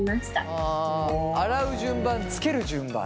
あ洗う順番つける順番？